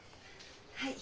はい。